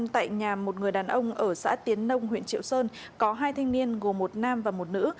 tại nhà một người đàn ông ở xã tiến nông huyện triệu sơn có hai thanh niên gồm một nam và một nữ